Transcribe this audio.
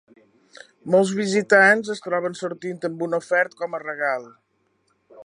Molts visitants es troben sortint amb un ofert com a regal.